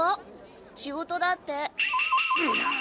仕事だって。